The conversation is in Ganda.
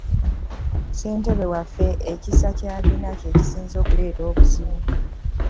Ssentebe waffe ekisa ky'alina kye kisinze okuleeta obuzibu.